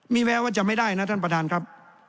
มีแม้ว่าจะไม่ได้นะท่านประธานครับ